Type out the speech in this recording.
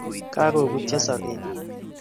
Kagobutyo sogeek